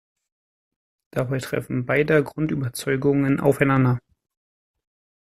Dabei treffen beider Grundüberzeugungen aufeinander.